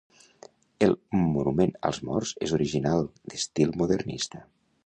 El monument als morts és original, d'estil modernista.